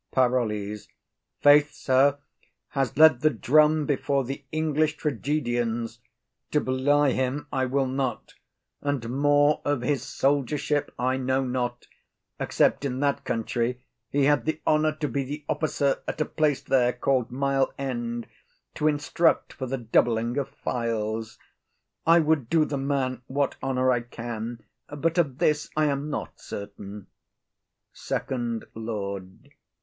PAROLLES. Faith, sir, has led the drum before the English tragedians,—to belie him I will not,—and more of his soldiership I know not, except in that country he had the honour to be the officer at a place there called Mile end, to instruct for the doubling of files. I would do the man what honour I can, but of this I am not certain. FIRST LORD.